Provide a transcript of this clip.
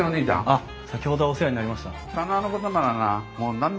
あっ先ほどはお世話になりました。